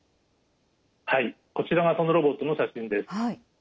はいこちらがそのロボットの写真です。